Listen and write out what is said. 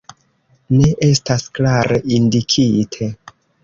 Ne estas klare indikite.